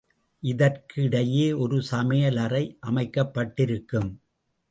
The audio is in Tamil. இதற்கு இடையே ஒரு சமையல் அறை அமைக்கப்பட்டிருக்கும்.